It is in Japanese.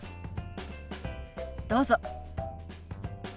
どうぞ。